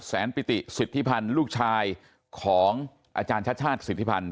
ปิติสิทธิพันธ์ลูกชายของอาจารย์ชาติชาติสิทธิพันธ